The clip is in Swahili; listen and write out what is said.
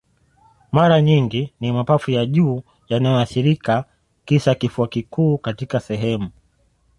Mara nyingi ni mapafu ya juu yanayoathirika tisa Kifua kikuu katika sehemu